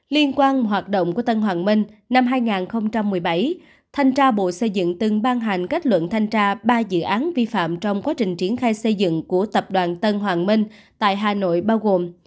liên quan hoạt động của tân hoàng minh năm hai nghìn một mươi bảy thanh tra bộ xây dựng từng ban hành kết luận thanh tra ba dự án vi phạm trong quá trình triển khai xây dựng của tập đoàn tân hoàng minh tại hà nội bao gồm